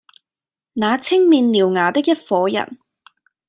那青面獠牙的一夥人，